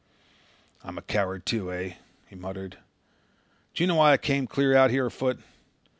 "I'm a coward too, eh?" he muttered. "Do you know why I came clear out here afoot?